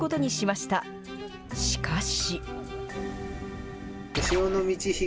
しかし。